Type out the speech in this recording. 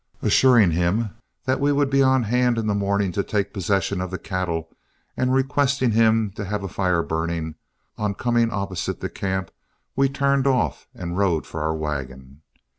Assuring him that we would be on hand in the morning to take possession of the cattle, and requesting him to have a fire burning, on coming opposite the camp, we turned off and rode for our wagon.